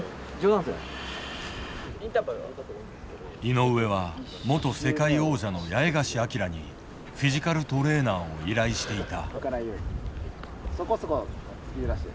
井上は元世界王者の八重樫東にフィジカルトレーナーを依頼していた。